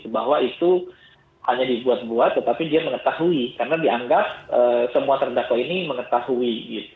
bahwa itu hanya dibuat buat tetapi dia mengetahui karena dianggap semua terdakwa ini mengetahui